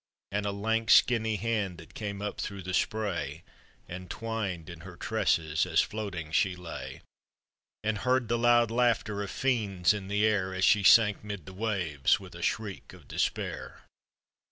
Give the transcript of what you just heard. And a lank, skinny hand, that cnme up through the spray, And twined in her tresses, as floating she lay. And heard the loud laughter of Mends In the air. As she sank 'mid the waves wilh n shriek of de spair.